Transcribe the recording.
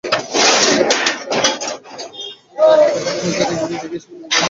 তাঁর জন্য যেসব অ্যাপার্টমেন্ট দেখে রাখা হয়েছে নিজে গিয়ে সেগুলো দেখবেন তিনি।